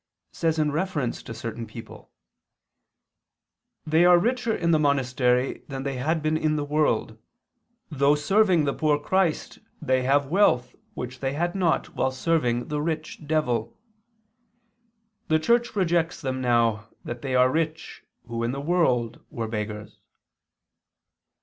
says in reference to certain people: "They are richer in the monastery than they had been in the world; though serving the poor Christ they have wealth which they had not while serving the rich devil; the Church rejects them now that they are rich, who in the world were beggars."